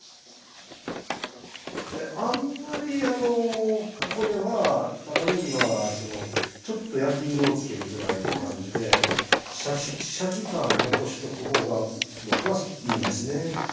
であんまりここではたまねぎはちょっと焼き色を付けるぐらいの感じでシャキシャキ感を残しとく方が僕はいいんですね。